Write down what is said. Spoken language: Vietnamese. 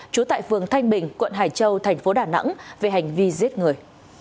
chú tại phường thanh bình quận hải châu tp đà nẵng về hành vi giết người